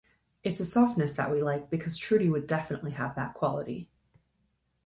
It's a softness that we like, because Trudy would definitely have that quality.